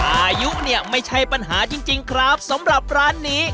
อายุเนี่ยไม่ใช่ปัญหาจริงครับสำหรับร้านนี้